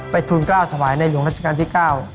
ไปทุนก้าวสวายในหลวงรัชกาลที่๙